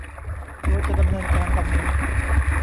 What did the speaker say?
โดยจะดำเนินการ ดังนี้